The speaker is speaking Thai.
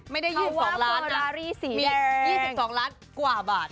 ไม่ได้ยืม๒ล้านนะ๒๒ล้านกว่าบาท